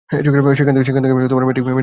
সেখান থেকে matric pass করেন।